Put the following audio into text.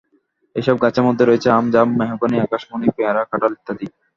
এসব গাছের মধ্যে রয়েছে, আম, জাম, মেহগনি, আকাশমণি, পেয়ারা, কাঁঠাল ইত্যাদি।